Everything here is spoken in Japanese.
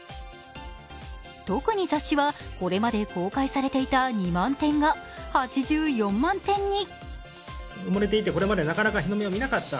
特に雑誌はこれまで公開されていた２万点が８４万点に。